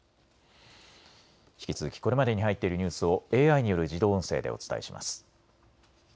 引き続きこれまでに入っているニュースをＡＩによる自動音声でお伝えします。